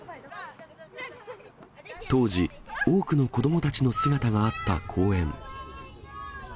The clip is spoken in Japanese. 当時、多くの子どもたちの姿があった公園。